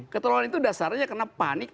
ketolongan itu dasarnya karena panik